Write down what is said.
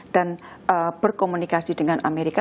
dan berkomunikasi dengan amerika